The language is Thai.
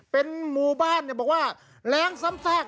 เป็นหมู่บ้านบอกว่าแรงซ้ำซาก